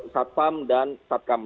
satjam dan satkam